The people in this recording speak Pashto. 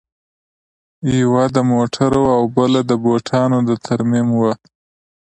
یوه د موټرو او بله د بوټانو د ترمیم وه